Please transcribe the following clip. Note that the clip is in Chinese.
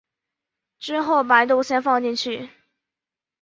之后把肉馅放进去。